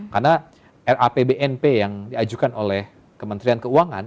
karena rapbnp yang diajukan oleh kementerian keuangan